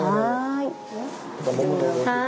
はい。